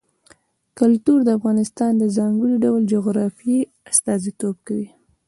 کلتور د افغانستان د ځانګړي ډول جغرافیه استازیتوب کوي.